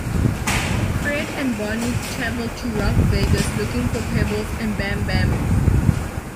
Fred and Barney travel to Rock Vegas looking for Pebbles and Bamm Bamm.